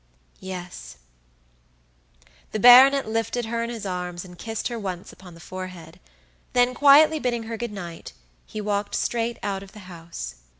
"Yes." The baronet lifted her in his arms and kissed her once upon the forehead, then quietly bidding her good night, he walked straight out of the house.